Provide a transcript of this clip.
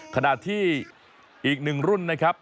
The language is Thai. ขณะที่อีกหนึ่งรุ่นนะครับ